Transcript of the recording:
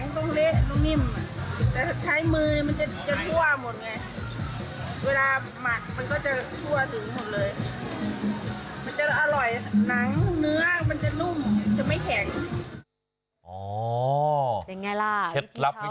ถ้าใช้สากมันก็จะเละนะจะต้องเละต้องแข็งต้องเละต้องนิ่ม